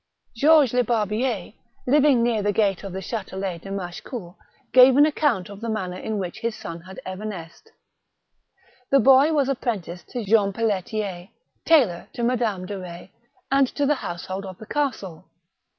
Georges Lebarbier, living near the gate of the chatelet de Machecoul, gave an account of the manner in which his son had evanesced. The boy was appren ticed to Jean Pelletier, tailor to Mme. de Retz and to the household of the castle.